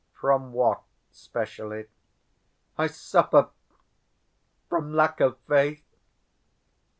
"From what specially?" "I suffer ... from lack of faith."